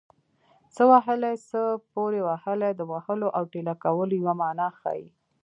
څه وهلی څه پورې وهلی د وهلو او ټېله کولو یوه مانا ښيي